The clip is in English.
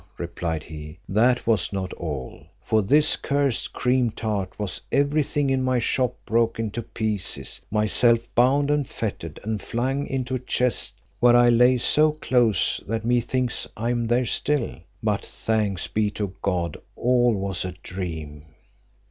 replied he, "that was not all. For this cursed cream tart was every thing in my shop broken to pieces, myself bound and fettered, and flung into a chest, where I lay so close, that methinks I am there still, but thanks be to God all was a dream."